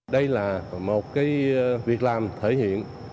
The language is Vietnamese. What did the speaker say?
đây là một việc làm thể hiện